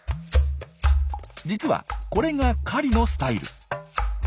実はこれが狩りのスタイル。